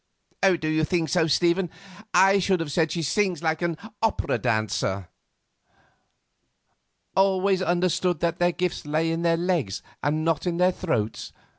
"Do you think so, Stephen? I should have said she sings like an opera dancer." "Always understood that their gifts lay in their legs and not in their throats.